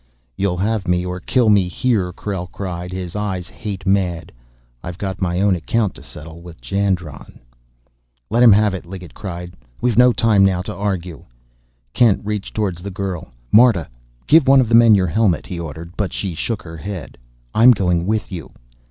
"You'll have me or kill me here!" Krell cried, his eyes hate mad. "I've got my own account to settle with Jandron!" "Let him have it!" Liggett cried. "We've no time now to argue!" Kent reached toward the girl. "Marta, give one of the men your helmet," he ordered; but she shook her head. "I'm going with you!"